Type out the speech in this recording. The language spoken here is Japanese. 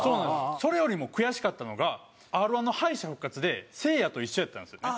それよりも悔しかったのがＲ−１の敗者復活でせいやと一緒やったんですよね。